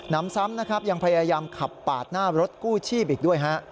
นำซ้ำนะครับยังพยายามขับปาดหน้ารถกู้ชีพอีกด้วยฮะ